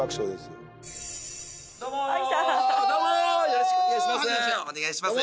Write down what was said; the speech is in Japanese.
よろしくお願いします